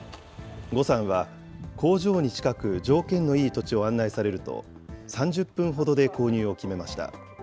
呉さんは、工場に近く条件のいい土地を案内されると、３０分ほどで購入を決めました。